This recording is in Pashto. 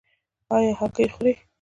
ایا هګۍ خورئ؟